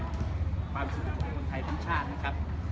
ความสุขด้วยทุนไม้สุขทะครทำชาตินะครับ